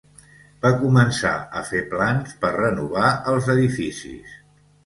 Va començar a fer plans per renovar els edificis.